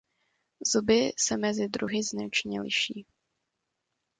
Zuby se mezi druhy značně liší.